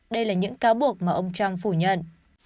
đây là những cáo buộc mà ông trump phủ nhận